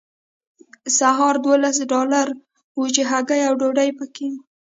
سهارنۍ دولس ډالره وه چې هګۍ او ډوډۍ پکې وه